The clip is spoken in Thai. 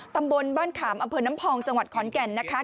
ตำบลบ้านขามอำเภอน้ำพองจังหวัดขอนแก่นนะคะ